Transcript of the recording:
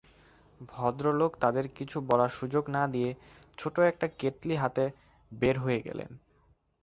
ভদ্রলোক তাঁদের কিছু বলার সুযোগ না-দিয়ে ছোটো একটা কেতলি হাতে বের হয়ে গেলেন।